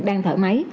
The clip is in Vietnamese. đang thở máy